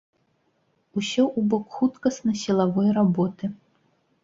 Усё ў бок хуткасна-сілавой работы.